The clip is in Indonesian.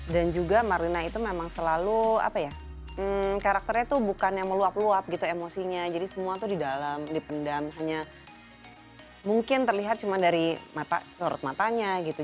dan juga marlina itu memang selalu apa ya karakternya tuh bukan yang meluap luap gitu emosinya jadi semua tuh di dalam dipendam hanya mungkin terlihat cuma dari mata sorot matanya gitu